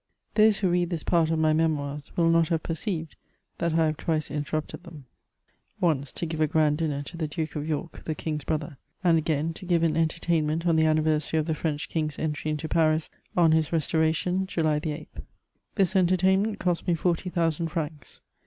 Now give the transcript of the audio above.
Thosb who read this part of my Memoirs will not have per ceived that I have twice interrupted them; once to give a grand dinner to the Duke of York, the EJng's brother ; and again, to give an entertainment on the anniversary of the French king's entry into Paris on his restoration, July the 8tL This entertainment cost me 40,000 francs.